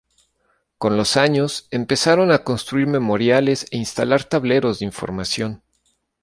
Con los años empezaron a construir memoriales e instalar tableros de información.